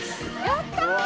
やったー！